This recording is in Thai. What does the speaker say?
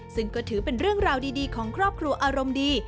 ซึ่งก็ถือเป็นเรื่องราวดีของครอบครัวอารมณ์ดี